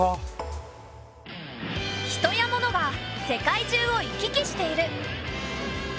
人やモノが世界中を行き来している。